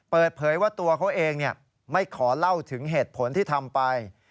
เปิดเผยว่าตัวเขาเองไม่ขอเล่าถึงเหตุผลที่ทำไป